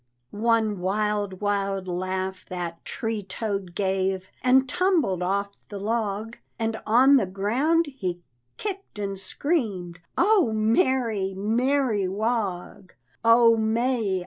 One wild, wild laugh that tree toad gave, And tumbled off the log, And on the ground he kicked and screamed, "Oh, Mary, Mary Wog. Oh, May!